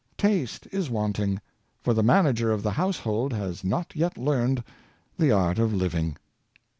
Taste is wanting, for the manager of the household has not yet learned the art of living.